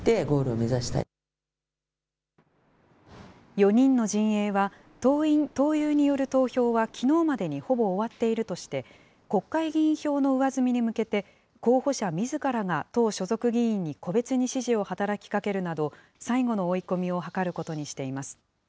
４人の陣営は、党員・党友による投票はきのうまでにほぼ終わっているとして、国会議員票の上積みに向けて、候補者みずからが党所属議員に個別に支持を働きかけるなど、最後の追い込みを図ることにしています。